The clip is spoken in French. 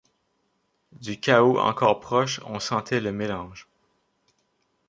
Du chaos encor proche on sentait le mélange